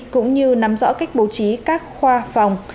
cũng như nắm rõ cách bố trí các khoa phòng